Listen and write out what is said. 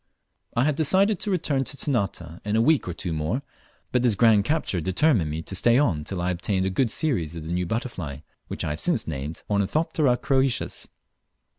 I had decided to return to Ternate in a week or two more, but this grand capture determined me to stay on till I obtained a good series of the new butterfly, which I have since named Ornithoptera croesus.